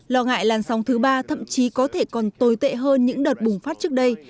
lo ngại làn sóng thứ ba thậm chí có thể còn tồi tệ hơn những đợt bùng phát trước đây